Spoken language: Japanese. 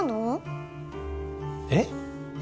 えっ？